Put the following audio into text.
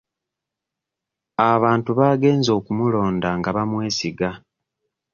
Abantu baagenze okumulonda nga bamwesiga.